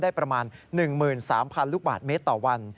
ได้ประมาณ๑๓๐๐๐ลูกบาทเมตรต่อวัน